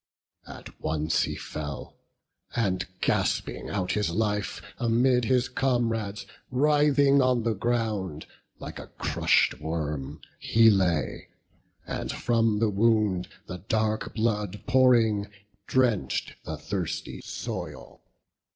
At once he fell; and gasping out his life, Amid his comrades, writhing on the ground Like a crush'd worm he lay; and from the wound The dark blood pouring, drench'd the thirsty soil.